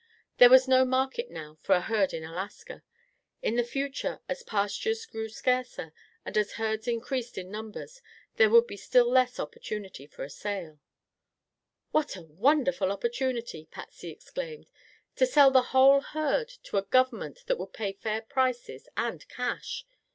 There was no market now for a herd in Alaska. In the future, as pastures grew scarcer, and as herds increased in numbers, there would be still less opportunity for a sale. "What a wonderful opportunity!" Patsy exclaimed. "To sell the whole herd to a Government that would pay fair prices and cash!